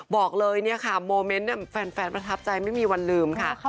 บอกเลยเนี่ยค่ะโมเมนต์แฟนประทับใจไม่มีวันลืมค่ะ